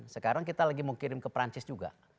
sekarang kita lagi mau kirim ke perancis juga